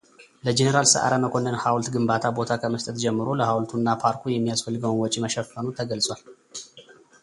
ለጀኔራል ሰዓረ መኮንን ሐውልት ግንባታ ቦታ ከመስጠት ጀምሮ ለሐውልቱ እና ፓርኩ የሚያስፈልገውን ወጪ መሸፈኑ ተገልጿል፡፡